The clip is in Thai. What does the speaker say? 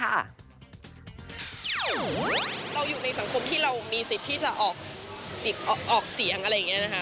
เราอยู่ในสังคมที่เรามีสิทธิ์ที่จะออกเสียงอะไรอย่างนี้นะคะ